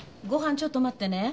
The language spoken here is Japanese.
ちょっと待ってね。